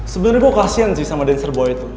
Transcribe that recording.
sebenarnya gue kasian sih sama dancer boy itu